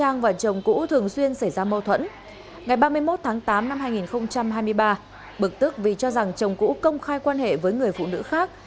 ngày ba mươi một tháng tám năm hai nghìn hai mươi ba bực tức vì cho rằng chồng cũ công khai quan hệ với người phụ nữ khác